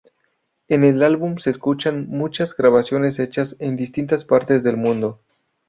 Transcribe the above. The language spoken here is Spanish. En el álbum se escuchan muchas grabaciones hechas en distintas partes del mundo.